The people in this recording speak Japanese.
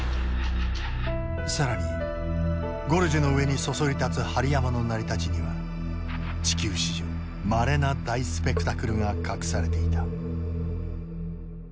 更にゴルジュの上にそそり立つ針山の成り立ちには地球史上まれな大スペクタクルが隠されていた。